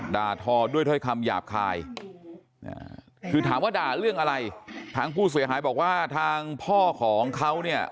ทอด้วยถ้อยคำหยาบคายคือถามว่าด่าเรื่องอะไรทางผู้เสียหายบอกว่าทางพ่อของเขาเนี่ย